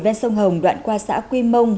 ven sông hồng đoạn qua xã quy mông